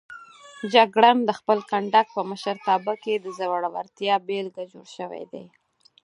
جګړن د خپل کنډک په مشرتابه کې د زړورتیا بېلګه جوړ شوی دی.